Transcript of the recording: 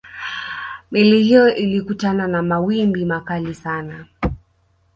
meli hiyo ilikutana na mawimbi makali sana